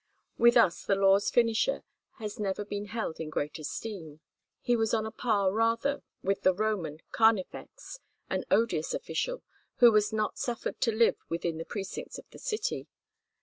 With us the law's finisher has never been held in great esteem. He was on a par rather with the Roman carnifex, an odious official, who was not suffered to live within the precincts of the city.